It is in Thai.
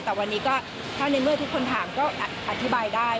แต่วันนี้ก็ถ้าในเมื่อทุกคนถามก็อธิบายได้